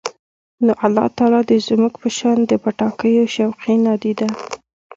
نو الله تعالی دې زموږ په شان د پټاکیو شوقي، نادیده